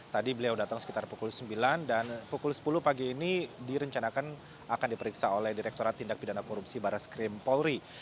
tadi beliau datang sekitar pukul sembilan dan pukul sepuluh pagi ini direncanakan akan diperiksa oleh direkturat tindak pidana korupsi barat skrim polri